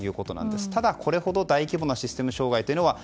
ただ、これほど大規模なシステム障害は